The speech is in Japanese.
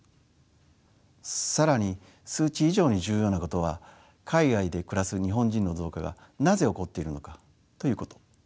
更に数値以上に重要なことは海外で暮らす日本人の増加がなぜ起こっているのかということ。